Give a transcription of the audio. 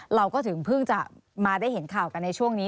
เราก็ถึงเพิ่งจะมาได้เห็นข่าวกันในช่วงนี้